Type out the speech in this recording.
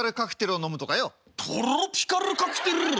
トロピカルカクテル！？